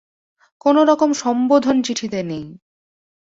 কোনো রকম সম্বোধন চিঠিতে নেই।